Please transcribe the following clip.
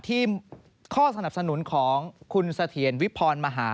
ข้อสนับสนุนของคุณเสถียรวิพรมหา